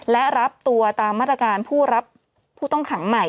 และรับตัวตามมาตรการผู้รับผู้ต้องขังใหม่